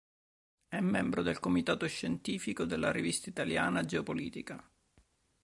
È membro del Comitato Scientifico della rivista italiana "Geopolitica".